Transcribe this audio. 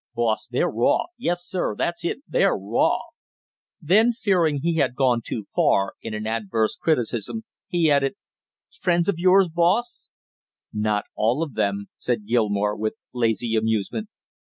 Boss, they're raw; yes, sir, that's it they're raw!" Then fearing he had gone too far in an adverse criticism, he added, "Friends of yours, boss?" "Not all of them!" said Gilmore, with lazy amusement.